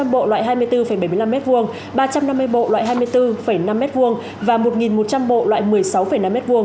một trăm bộ loại hai mươi bốn bảy mươi năm m hai ba trăm năm mươi bộ loại hai mươi bốn năm m hai và một một trăm linh bộ loại một mươi sáu năm m hai